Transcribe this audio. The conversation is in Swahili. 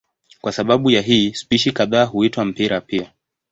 Kwa sababu ya hii spishi kadhaa huitwa mpira pia.